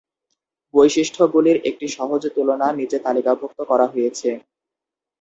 বৈশিষ্ট্যগুলির একটি সহজ তুলনা নিচে তালিকাভুক্ত করা হয়েছে।